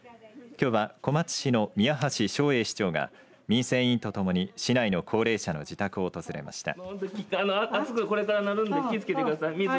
きょうは小松市の宮橋勝栄市長が民生委員とともに、市内の高齢者の自宅を訪れました。